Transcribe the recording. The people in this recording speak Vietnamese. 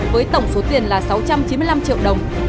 với tổng số tiền là sáu trăm chín mươi năm triệu đồng